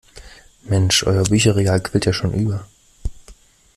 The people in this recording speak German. Mensch, euer Bücherregal quillt ja schon über.